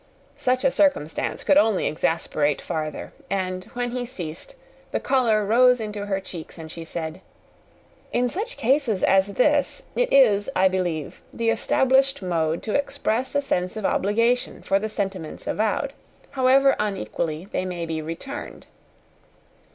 Such a circumstance could only exasperate farther; and when he ceased the colour rose into her cheeks and she said, "In such cases as this, it is, I believe, the established mode to express a sense of obligation for the sentiments avowed, however unequally they may be returned.